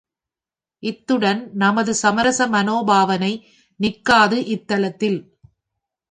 இத்துடன் நமது சமரச மனோபாவனை நிற்காது இத்தலத்தில்.